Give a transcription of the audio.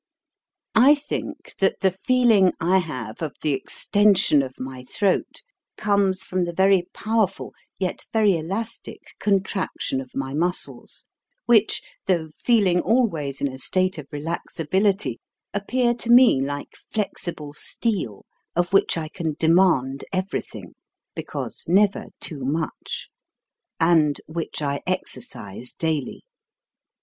I think that the feeling I have of the ex tension of my throat comes from the very powerful yet very elastic contraction of my 226 HOW TO SING muscles, which, though feeling always in a state of relaxability, appear to me like flexi ble steel, of which I can demand everything, because never too much and which I ex ercise daily.